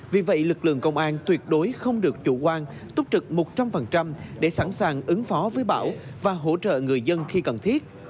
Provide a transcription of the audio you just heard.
vì vậy lực lượng công an tuyệt đối không được chủ quan túc trực một trăm linh để sẵn sàng ứng phó với bão và hỗ trợ người dân khi cần thiết